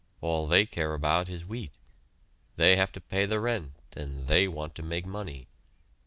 All they care about is wheat they have to pay the rent and they want to make money.